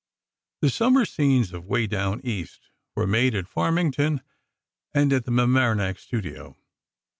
The summer scenes of "Way Down East" were made at Farmington and at the Mamaroneck studio.